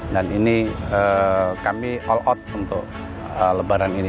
dan ini kami all out untuk lebaran ini